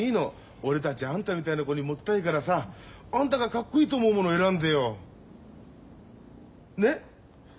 俺たちあんたみたいな子にもてたいからさあんたがかっこいいと思うもの選んでよ。ね？